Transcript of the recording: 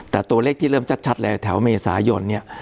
แต่ตัวเลขที่เริ่มชัดเลยแถวเมษายนเนี่ย